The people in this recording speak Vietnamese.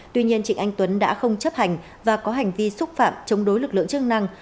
tuy nhiên trịnh anh tuấn đã không chấp hành và có hành vi xúc phạm chống đối lực lượng chức năng